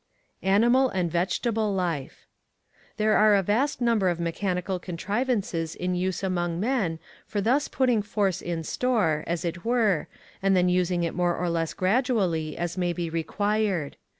Vegetable and Animal Life. There are a vast number of mechanical contrivances in use among men for thus putting force in store, as it were, and then using it more or less gradually, as may be required.